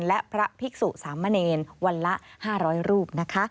และพระภิกษุสามเณรวันละ๕๐๐รูปนะคะ